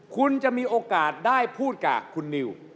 คุณจะมีโอกาสได้พูดกับคุณนิว